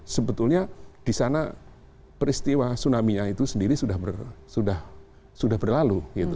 sebetulnya di sana peristiwa tsunami nya itu sendiri sudah berlalu